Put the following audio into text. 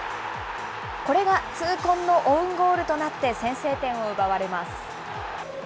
これが痛恨のオウンゴールとなって、先制点を奪われます。